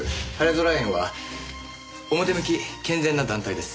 ぞら園は表向き健全な団体です。